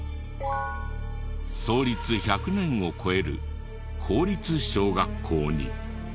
創立１００年を超える公立小学校に。